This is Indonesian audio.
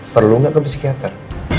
perlu gak ke psikiater